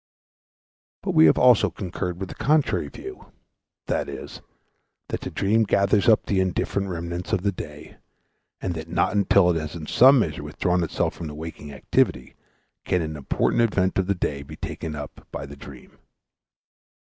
But we have also concurred with the contrary view, viz., that the dream gathers up the indifferent remnants from the day, and that not until it has in some measure withdrawn itself from the waking activity can an important event of the day be taken up by the dream.